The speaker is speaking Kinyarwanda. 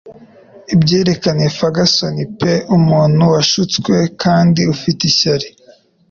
Ibyerekeye Ferguson pe umuntu washutswe kandi ufite ishyari